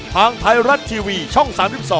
ทางไทยรัฐทีวีช่อง๓๒